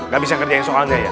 gak bisa ngerjain soalnya ya